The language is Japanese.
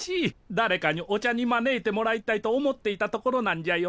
だれかにお茶に招いてもらいたいと思っていたところなんじゃよ。